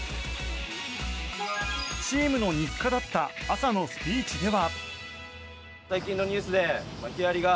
チームの日課だった朝のスピーチでは。